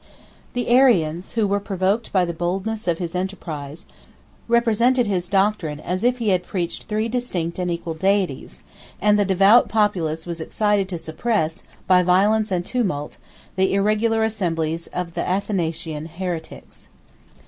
33 The Arians, who were provoked by the boldness of his enterprise, represented his doctrine, as if he had preached three distinct and equal Deities; and the devout populace was excited to suppress, by violence and tumult, the irregular assemblies of the Athanasian heretics.